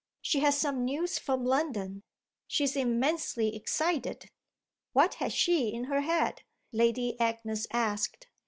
She has some news from London she's immensely excited." "What has she in her head?" Lady Agnes asked.